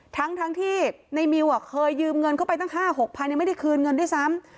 ทั้งที่ในมิวเคยยืมเงินเข้าไปตั้ง๕๖๐๐ยังไม่ได้คืนเงินด้วยซ้ำ